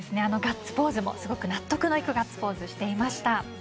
ガッツポーズも、すごく納得のいくガッツポーズをしていました。